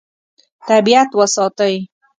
طبیعت وساتئ.